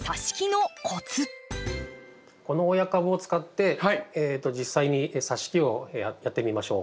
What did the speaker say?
この親株を使って実際にさし木をやってみましょう。